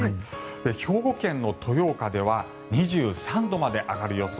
兵庫県の豊岡では２３度まで上がる予想。